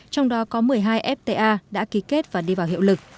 trong đó có một mươi hai fta đã ký kết và đi vào hiệu lực